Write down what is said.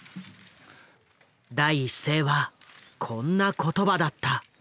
第一声はこんな言葉だった。